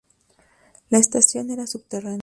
La estación era subterránea.